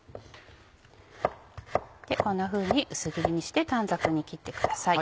こんなふうに薄切りにして短冊に切ってください。